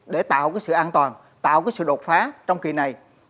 để tạo cái sự an toàn tạo cái sự đột phá trong kỳ này